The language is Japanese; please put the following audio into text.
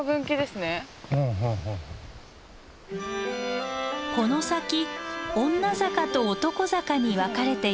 この先女坂と男坂に分かれています。